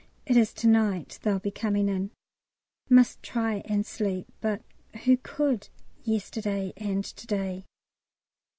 It is to night they'll be coming in. Must try and sleep. But who could yesterday and to day?